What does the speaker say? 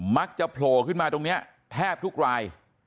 โผล่ขึ้นมาตรงนี้แทบทุกราย